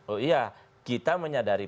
oh iya kita menyadari